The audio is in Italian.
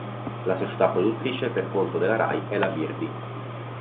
La società produttrice per conto della Rai è la Birdy.